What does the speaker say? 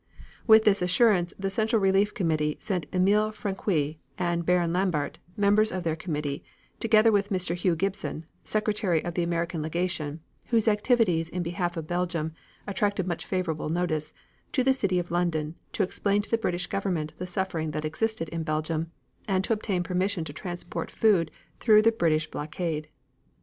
With this assurance the Central Relief Committee sent Emil Francqui and Baron Lambert, members of their committee, together with Mr. Hugh Gibson, secretary of the American Legation, whose activities in behalf of Belgium attracted much favorable notice, to the city of London, to explain to the British Government the suffering that existed in Belgium, and to obtain permission to transport food through the British blockade.